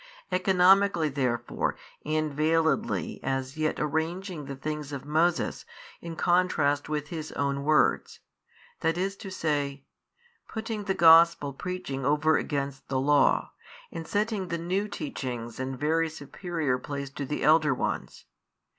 Economically therefore |623 and veiledly as yet arranging the things of Moses in contrast with His own words, i. e., putting the Gospel preaching over against the law, and setting the new teachings in very superior place to the elder ones.